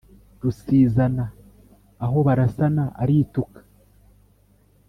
Rusizana aho barasana arituka